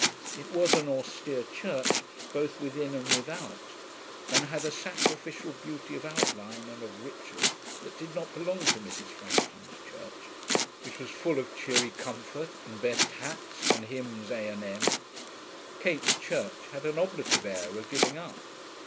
It was an austere church both within and without, and had a sacrificial beauty of outline and of ritual that did not belong to Mrs. Frampton's church, which was full of cheery comfort and best hats and Hymns A. and M. Kate's church had an oblative air of giving up.